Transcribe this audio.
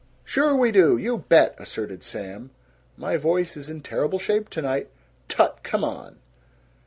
"Sure we do! You bet!" asserted Sam. "My voice is in terrible shape tonight." "Tut! Come on!"